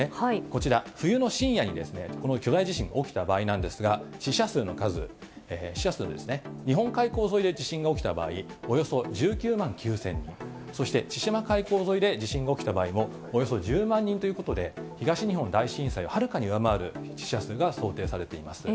こちら、冬の深夜にこの巨大地震、起きた場合なんですが、死者数ですね、日本海溝沿いで地震が起きた場合、およそ１９万９０００人、そして千島海溝沿いで地震が起きた場合もおよそ１０万人ということで、東日本大震災をはるかに上回る死者数が想定されています。